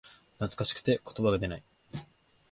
懐かしくて言葉が出ない